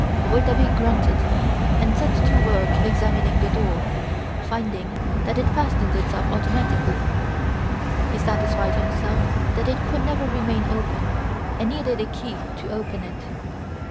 Rouletabille grunted and set to work examining the door, finding that it fastened itself automatically. He satisfied himself that it could never remain open and needed a key to open it.